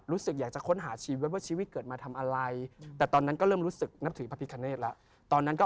เราดีขึ้น